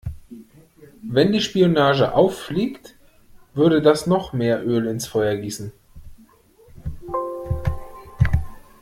Wenn die Spionage auffliegt, würde das noch mehr Öl ins Feuer gießen.